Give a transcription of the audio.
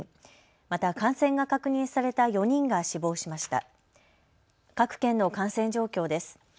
また感染が確認された４人が死亡しました。